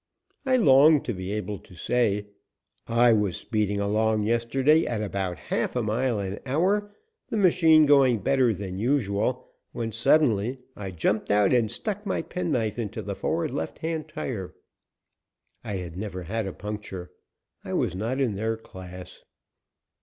I longed to be able to say: "I was speeding along yesterday at about half a mile an hour, the machine going better than usual, when suddenly I jumped out and stuck my penknife into the forward, left hand tire " I had never had a puncture. I was not in their class.